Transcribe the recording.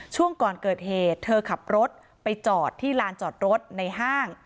ช่วงก่อนเกิดเหตุเธอขับรถไปจอดที่ลานจอดรถในห้าง